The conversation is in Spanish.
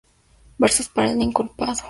Versos para el Inculpado.